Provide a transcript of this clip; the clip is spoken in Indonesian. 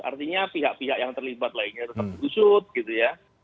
artinya pihak pihak yang terlibat lainnya tetap digusut gitu ya